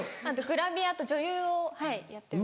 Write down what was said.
グラビアと女優をやってます。